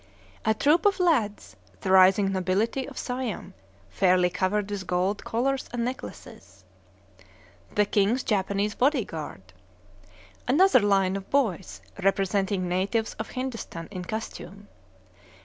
A troop of lads, the rising nobility of Siam, fairly covered with gold collars and necklaces. The king's Japanese body guard. Another line of boys, representing natives of Hindostan in costume.